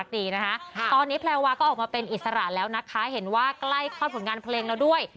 ตอนนี้แพลวาก็ออกมาเป็นอิสระแล้วนะคะเห็นว่าใกล้คลอดผลงานเพลงแล้วด้วย